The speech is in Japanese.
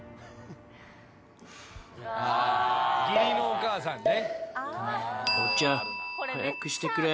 義理のお義母さんね。